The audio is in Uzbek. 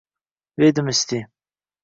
vedomosti